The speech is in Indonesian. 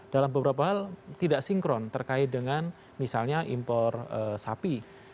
dalam beberapa hal tidak sinkron terkait dengan misalnya impor sapi